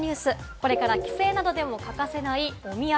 これから帰省などでも欠かせないお土産。